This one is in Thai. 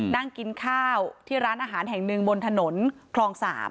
นั่งกินข้าวที่ร้านอาหารแห่งหนึ่งบนถนนคลอง๓